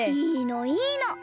いいのいいの。